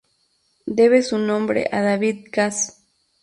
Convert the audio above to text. Debe su nombre a David Cass.